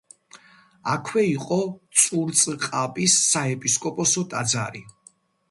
აქვე იყო წურწყაბის საეპისკოპოსო ტაძარი.